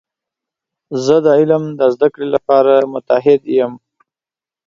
زه د علم د زده کړې لپاره متعهد یم.